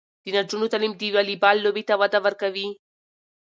د نجونو تعلیم د والیبال لوبې ته وده ورکوي.